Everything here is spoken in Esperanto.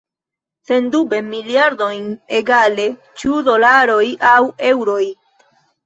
Sendube miliardojn – egale, ĉu dolaroj aŭ eŭroj.